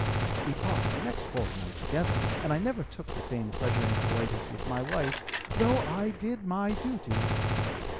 We passed the next fortnight together, and I never took the same pleasure in coitus with my wife, though I did my duty.